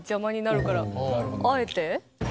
あえて？